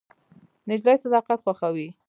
نجلۍ صداقت خوښوي.